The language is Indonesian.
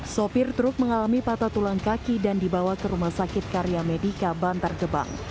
sopir truk mengalami patah tulang kaki dan dibawa ke rumah sakit karya medica bantar gebang